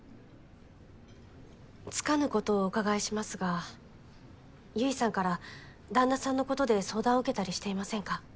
つかぬ事をお伺いしますが結衣さんから旦那さんのことで相談を受けたりしていませんか？